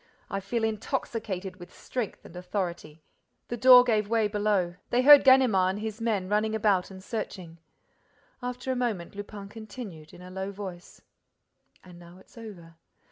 I feel intoxicated with strength and authority." The door gave way below. They heard Ganimard and his men running about and searching. After a moment, Lupin continued, in a low voice: "And now it's over.